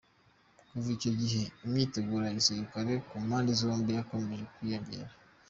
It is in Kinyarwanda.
Kuva icyo gihe, imyiteguro ya gisirikare ku mpande zombi yakomeje kwiyongera.